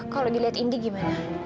kalau dilihat indy gimana